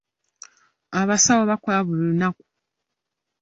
Abasawo bakola buli lunaku.